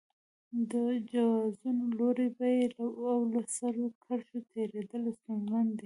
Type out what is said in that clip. د جوازونو لوړې بیې او له سرو کرښو تېرېدل ستونزمن دي.